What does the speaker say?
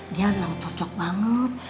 dia memang cocok banget